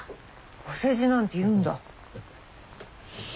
お世辞なんて言うんだ。